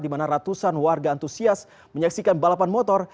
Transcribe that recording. di mana ratusan warga antusias menyaksikan balapan motor